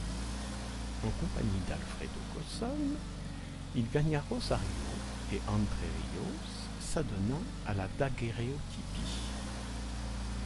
En compagnie d'Alfredo Cosson, il gagna Rosario et Entre Ríos, s'adonnant à la daguerréotypie.